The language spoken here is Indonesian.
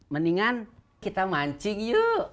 mendingan kita mancing yuk